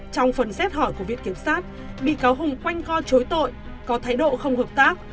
trong phần xét hỏi của viện kiểm sát bị cáo hùng quanh co chối tội có thái độ không hợp tác